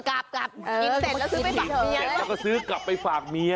กินเสร็จแล้วก็ซื้อไปฝากเมีย